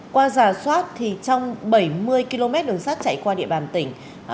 qua giả soát thì trong bảy mươi km đường sắt chạy qua địa bàn tỉnh